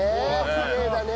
きれいだね。